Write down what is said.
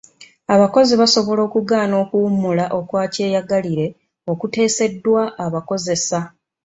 Abakozi basobola okugaana okuwummula okwakyeyagalire okuteeseddwa abakozesa.